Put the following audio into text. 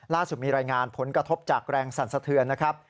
ล่าสุดมีรายงานผลกระทบจากแรงสั่นสะเทือนนะครับ